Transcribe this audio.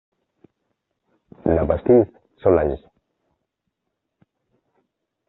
La Bastide-Solages